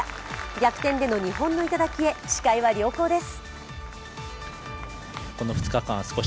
逆転での日本の頂へ視界は良好です。